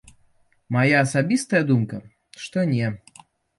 Мая асабістая думка, што не.